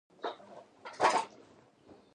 اکسیجن د ټولو ژویو لپاره اړین دی